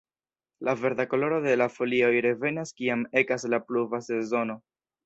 La verda koloro de la folioj revenas kiam ekas la pluva sezono.